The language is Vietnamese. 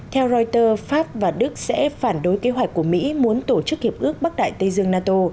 theo reuters pháp và đức sẽ phản đối kế hoạch của mỹ muốn tổ chức hiệp ước bắc đại tây dương nato